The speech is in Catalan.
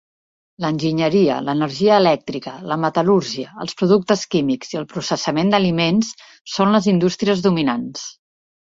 L'enginyeria, l'energia elèctrica, la metal·lúrgia, els productes químics i el processament d'aliments són les indústries dominants.